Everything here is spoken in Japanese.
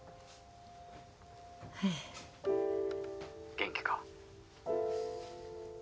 ☎元気か？